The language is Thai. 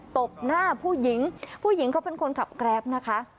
ตบหน้าผู้หญิงผู้หญิงเขาเป็นคนขับแกรปนะคะ